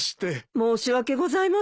申し訳ございません。